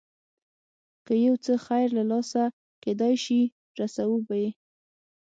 که یو څه خیر له لاسه کېدای شي رسوو به یې.